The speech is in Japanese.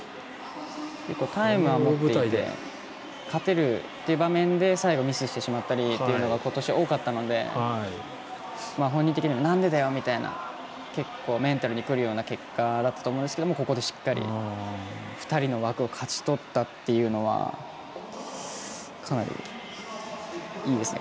タイムは持っていて勝てるっていう場面で最後、ミスしてしまったりというのが今年、多かったので本人的には、なんでだよ！というようなメンタルにくるような結果だったんですがここでしっかり２人の枠を勝ち取ったというのはかなりいいですね。